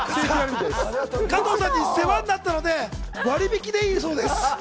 加藤さんに世話になったので、割引きでいいそうです。